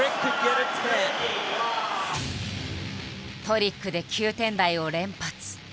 トリックで９点台を連発。